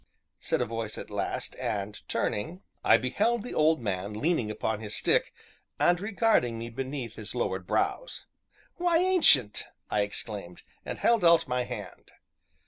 said a voice at last and, turning, I beheld the old man leaning upon his stick and regarding me beneath his lowered brows. "Why, Ancient!" I exclaimed, and held out my hand.